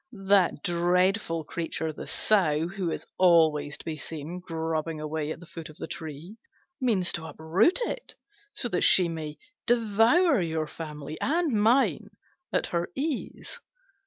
That dreadful creature, the Sow, who is always to be seen grubbing away at the foot of the tree, means to uproot it, that she may devour your family and mine at her ease."